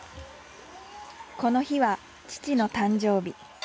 この日は父の誕生日。